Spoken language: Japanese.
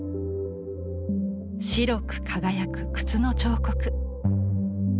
白く輝く靴の彫刻。